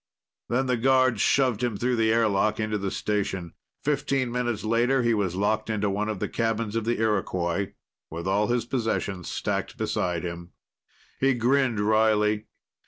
Then the guards shoved him through the airlock into the station. Fifteen minutes later he was locked into one of the cabins of the Iroquois, with all his possessions stacked beside him. He grinned wryly.